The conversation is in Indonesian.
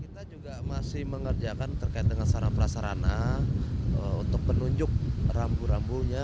kita juga masih mengerjakan terkait dengan sarana prasarana untuk menunjuk rambu rambunya